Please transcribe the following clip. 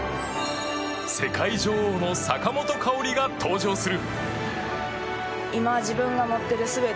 世界女王の坂本花織が登場する。